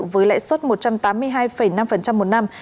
với lãi suất một trăm tám mươi hai năm một năm